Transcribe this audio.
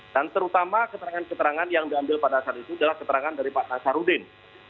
dan terutama keterangan keterangan yang diambil pada saat itu adalah keterangan dari pak nasarudin